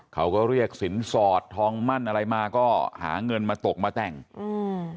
เขาก็เรียกสินสอดทองมั่นอะไรมาก็หาเงินมาตกมาแต่งอืม